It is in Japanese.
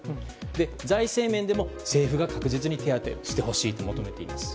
財政面でも政府が確実に手当てしてほしいと思っています。